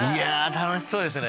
楽しそうですね